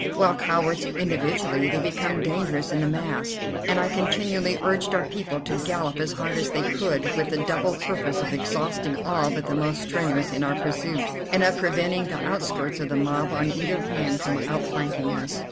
While cowards individually, they become dangerous in the mass, and I continually urged our people to gallop as hard as they could, with the double purpose of exhausting all but the most strenuous in our pursuit, and of preventing the outskirts of the mob on either hand from outflanking us.